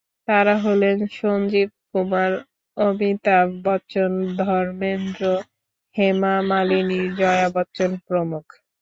তাঁরা হলেন সঞ্জীব কুমার, অমিতাভ বচ্চন, ধর্মেন্দ্র, হেমা মালিনি, জয়া বচ্চন প্রমুখ।